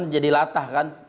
menjadi latah kan